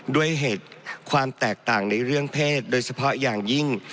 ด้วยเหตุความแตกต่างในเรื่องเพศโดยเฉพาะอย่างยิ่ง